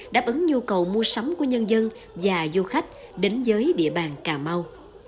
đáp ứng nhu cầu mua sắm của nhân dân và du khách đến giới địa bàn cà mau